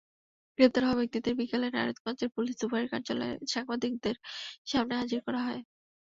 গ্রেপ্তার হওয়া ব্যক্তিদের বিকেলে নারায়ণগঞ্জের পুলিশ সুপারের কার্যালয়ে সাংবাদিকদের সামনে হাজির করা হয়।